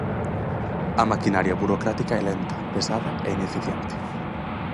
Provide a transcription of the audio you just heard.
A maquinaria burocrática é lenta, pesada e ineficiente.